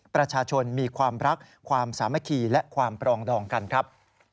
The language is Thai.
ประชาชนมีความรักความสามัคคีและความปรองดองกันครับ